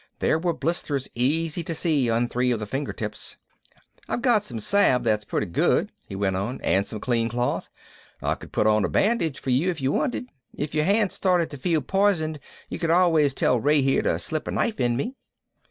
There were blisters easy to see on three of the fingertips. "I've got some salve that's pretty good," he went on, "and some clean cloth. I could put on a bandage for you if you wanted. If your hand started to feel poisoned you could always tell Ray here to slip a knife in me."